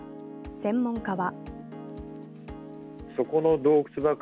専門家は。